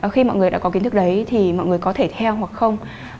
khi mọi người đã có kiến thức đấy thì mọi người có thể theo hoặc không